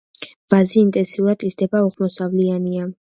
ვაზი ინტენსიურად იზრდება, უხვმოსავლიანია.